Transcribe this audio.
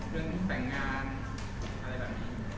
เรื่องแต่งงานอะไรแบบนี้